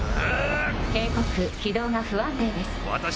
警告、軌道が不安定です。